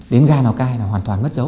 đến ga lào cai là hoàn toàn mất dấu